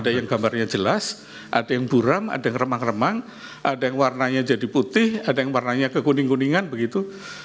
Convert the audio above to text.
ada yang gambarnya jelas ada yang buram ada yang remang remang ada yang warnanya jadi putih ada yang warnanya kekuning kuningan begitu